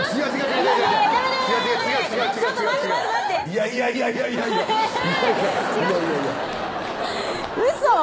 いやいやいやいやいやいやウソ！